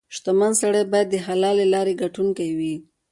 • شتمن سړی باید د حلالې لارې ګټونکې وي.